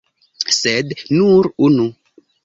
Sed nur unu!